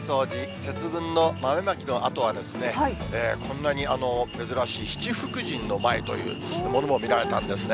節分の豆まきのあとはですね、こんなに珍しい、七福神の舞というものも見られたんですね。